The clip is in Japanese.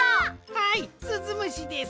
はいすずむしです。